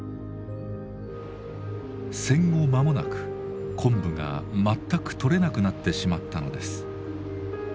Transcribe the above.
戦後間もなく昆布が全く採れなくなってしまったのです。